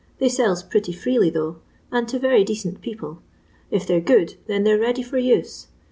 They sells pretty freely though, and to very decent people. If they 're good, then they 're ready for use.